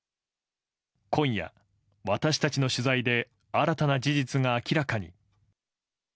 今夜、私たちの取材で新たな事実が明らかに。